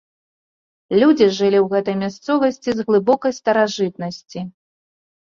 Людзі жылі ў гэтай мясцовасці з глыбокай старажытнасці.